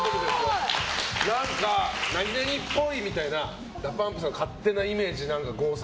何々っぽいみたいなＤＡＰＵＭＰさんの勝手なイメージ。